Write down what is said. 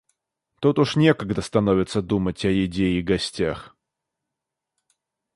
Тут уж некогда становится думать о еде и гостях.